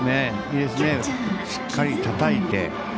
しっかりたたいて。